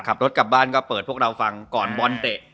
ขับรถกลับบ้านก็เปิดพวกเราฟังก่อนบอลเตะ